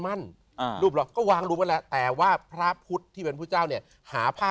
มั่นก็วางรูปอะไรแต่ว่าพระพุทธที่เป็นพุทธชาวเนี่ยหาพลาด